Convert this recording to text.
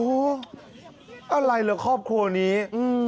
โอ้โหอะไรเหรอครอบครัวนี้